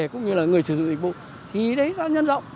cũng như là người sử dụng dịch vụ thì đấy sẽ nhân rộng